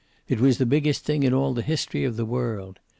It was the biggest thing in all the history of the world.